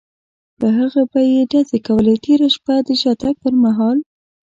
پر هغه به یې ډزې کولې، تېره شپه د شاتګ پر مهال.